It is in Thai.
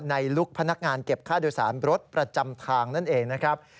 ลุคพนักงานเก็บค่าโดยสารรถประจำทางนั่นเองนะครับ